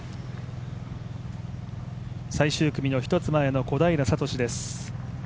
最終組の１つ前の小平智です。